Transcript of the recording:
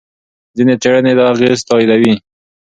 ځینې څېړنې دا اغېز تاییدوي.